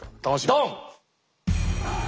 ドン！